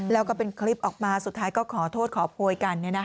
แล้วก็เป็นคลิปออกมาสุดท้ายก็ขอโทษขอโพยกัน